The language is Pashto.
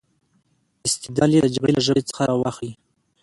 استدلال یې د جګړې له ژبې څخه را واخلي.